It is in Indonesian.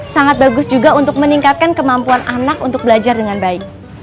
sangat bagus juga untuk meningkatkan kemampuan anak untuk belajar dengan baik